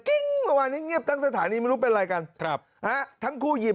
เมื่อวานนี้เงียบตั้งสถานีไม่รู้เป็นอะไรกันครับฮะทั้งคู่หยิบ